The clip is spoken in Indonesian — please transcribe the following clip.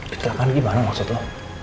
kecelakaan gimana maksud lo